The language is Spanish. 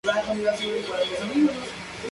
Los reservorios son los ratones de campo.